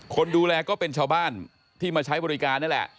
คนดูแลก็เป็นชาวบ้านที่มาใช้บริการนั่นแหละ